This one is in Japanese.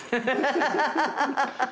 ハハハハ。